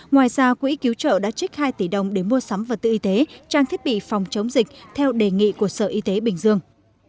ngoài ra quỹ cứu trợ đã trích hai tỷ đồng để mua sắm vật tư y tế trang thiết bị phòng chống dịch theo đề nghị của sở y tế bình dương